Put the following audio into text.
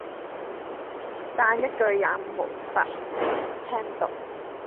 但一句也沒法聽懂